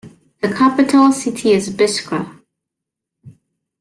The capital city is Biskra.